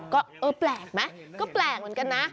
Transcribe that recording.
ก็เออแปลกไหมก็แปลกเหมือนกันนะ